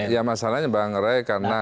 ya masalahnya bang ray karena